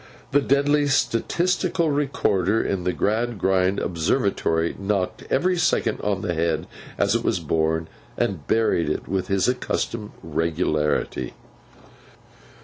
The deadly statistical recorder in the Gradgrind observatory knocked every second on the head as it was born, and buried it with his accustomed regularity.